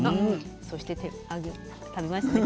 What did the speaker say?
そして食べましたね。